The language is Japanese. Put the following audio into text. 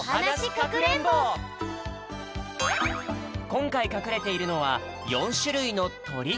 こんかいかくれているのは４しゅるいのとり。